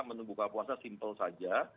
menu buka puasa simpel saja